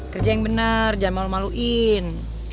kerja yang benar jangan mau memaluin